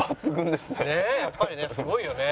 やっぱりねすごいよね。